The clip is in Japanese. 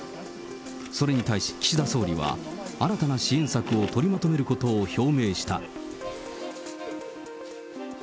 それに対し岸田総理は、新たな支援策を取りまとめることを表明した。